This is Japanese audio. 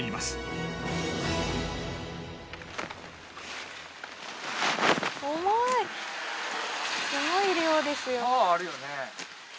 すごい量ですよ。